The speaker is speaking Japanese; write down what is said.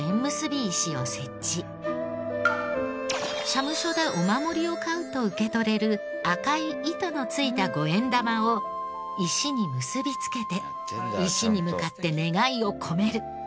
社務所でお守りを買うと受け取れる赤い糸のついた５円玉を石に結びつけて石に向かって願いを込める。